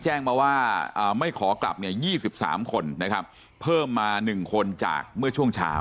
แจ้งมาว่าไม่ขอกลับ๒๓คนนะครับเพิ่มมา๑คนจากเมื่อช่วงเช้า